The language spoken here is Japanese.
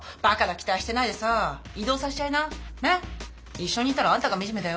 一緒にいたらあんたが惨めだよ。